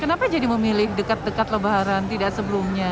kenapa jadi memilih dekat dekat lebaran tidak sebelumnya